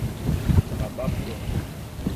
Tabapuã